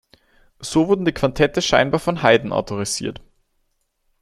So wurden die Quartette scheinbar von Haydn autorisiert.